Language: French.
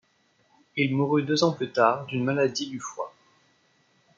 Il mourut deux ans plus tard d'une maladie du foie.